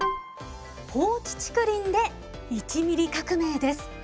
「放置竹林で１ミリ革命」です。